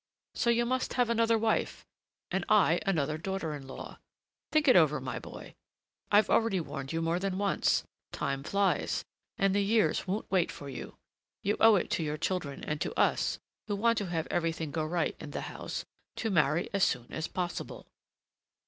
So you must have another wife, and I another daughter in law. Think it over, my boy. I've already warned you more than once; time flies, and the years won't wait for you. You owe it to your children and to us, who want to have everything go right in the house, to marry as soon as possible."